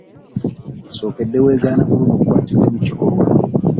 Kasookedde wegaana ku luno nkukwatidde mu kikolwa.